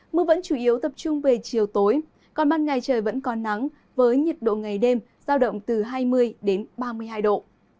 mưa vẫn chủ yếu tập trung về chiều tối còn ban ngày trời vẫn còn nắng với nhiệt độ ngày đêm giao động từ hai mươi đến ba mươi hai độ